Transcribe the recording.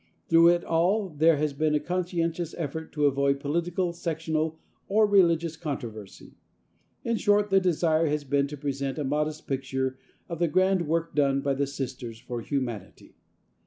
Through it all there has been a conscientious effort to avoid political, sectional or religious controversy. In short, the desire has been to present a modest picture of the grand work done by the Sisters for HUMANITY.